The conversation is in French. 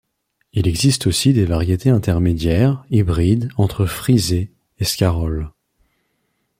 Il existe aussi des variétés intermédiaires, hybrides entre frisée et scarole.